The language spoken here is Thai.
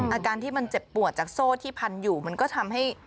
อาการที่มันเจ็บปวดจากโซ่ที่พันอยู่มันก็ทำให้